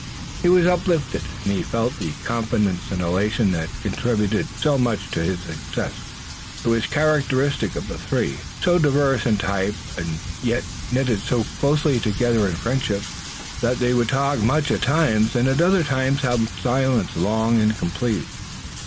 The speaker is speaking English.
He was uplifted and he felt the confidence and elation that contribute so much to success. It was characteristic of the three, so diverse in type, and yet knitted so closely together in friendship, that they would talk much at times and at other times have silence long and complete.